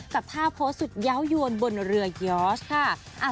กับภาพโศตรย้ายวนบนเรือยอ๊อสค่ะ